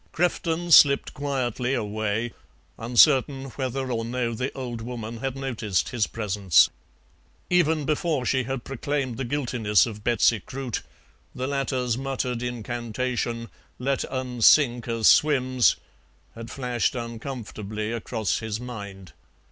Crefton slipped quietly away, uncertain whether or no the old woman had noticed his presence. Even before she had proclaimed the guiltiness of Betsy Croot, the latter's muttered incantation "Let un sink as swims" had flashed uncomfortably across his mind.